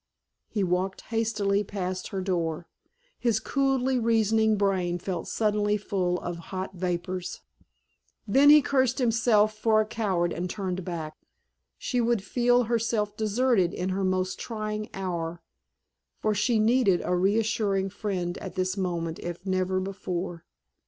He walked hastily past her door. His coolly reasoning brain felt suddenly full of hot vapors. Then he cursed himself for a coward and turned back. She would feel herself deserted in her most trying hour, for she needed a reassuring friend at this moment if never before.